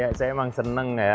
ya saya emang seneng ya